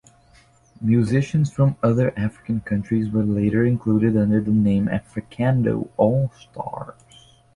Musicians from other African countries were later included under the name Africando All Stars.